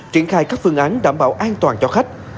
triển khai các phương án đảm bảo an toàn cho khách